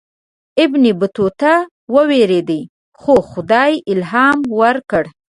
ابن بطوطه ووېرېدی خو خدای الهام ورکړ.